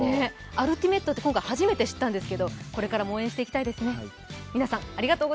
アルティメットって今回初めて知ったんですけどこれからも応援していきたいですね。